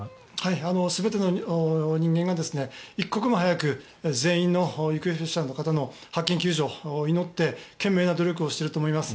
全ての人間が、一刻も早く全員の行方不明者の方の発見・救助を祈って懸命な努力をしていると思います。